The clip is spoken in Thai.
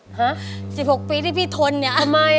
เลยสิบหกปีที่พี่ทนเนี่ย